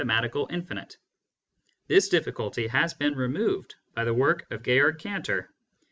matical infinite. This diflSculty has been removed by the work of Georg Cantor.